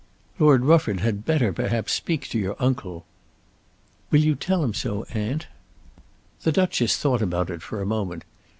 "Lord Rufford had better perhaps speak to your uncle." "Will you tell him so, aunt?" The Duchess thought about it for a moment.